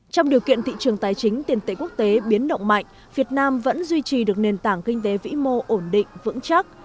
trong điều kiện thị trường tài chính tiền tệ quốc tế biến động mạnh việt nam vẫn duy trì được nền tảng kinh tế vĩ mô ổn định vững chắc